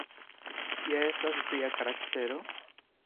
Kia estas via karaktero?